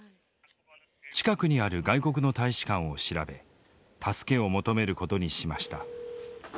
近くにある外国の大使館を調べ助けを求めることにしました。